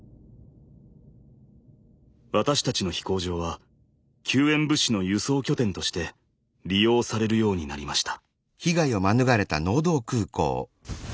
私たちの飛行場は救援物資の輸送拠点として利用されるようになりました。